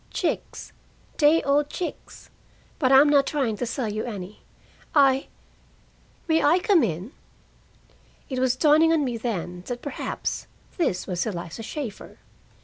"Chicks, day old chicks, but I'm not trying to sell you any. I may I come in?" It was dawning on me then that perhaps this was Eliza Shaeffer.